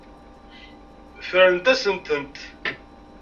Ffrent-asent-tent.